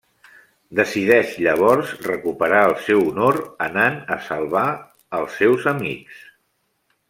Decideix llavors recuperar el seu honor anant a salvar els seus amics.